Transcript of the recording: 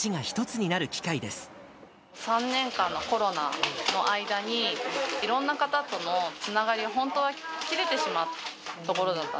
３年間のコロナの間に、いろんな方とのつながりが本当に切れてしまうところだった。